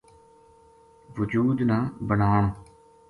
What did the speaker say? وجود نا بنان